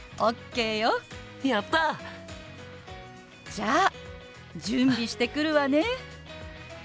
じゃあ準備してくるわね。